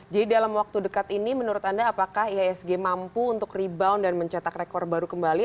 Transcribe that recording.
jadi dalam waktu dekat ini menurut anda apakah ihsg mampu untuk rebound dan mencetak rekor baru kembali